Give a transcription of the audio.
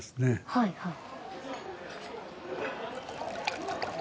はいはい。